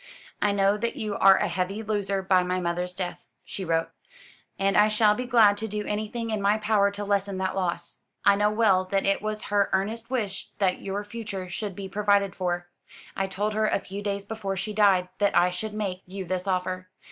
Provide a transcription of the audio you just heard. "I know that you are a heavy loser by my mother's death," she wrote, "and I shall be glad to do anything in my power to lessen that loss. I know well that it was her earnest wish that your future should be provided for. I told her a few days before she died that I should make you this offer.